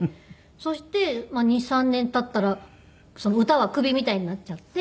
そして２３年経ったら歌はクビみたいになっちゃって。